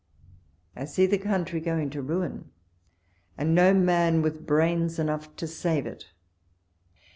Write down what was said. I see the country going to ruin, and no man with brains enough to save it.